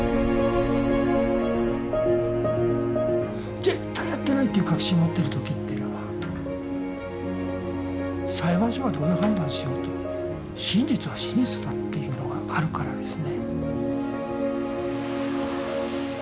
絶対やってないっていう確信持ってる時っていうのは裁判所がどういう判断しようと真実は真実だっていうのがあるからですね。